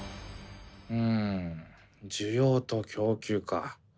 ん需要と供給かあ。